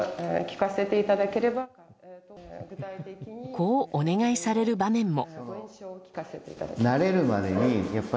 こうお願いされる場面も。